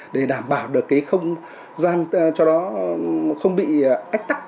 để đảm bảo được cái không gian cho nó không bị ách tắc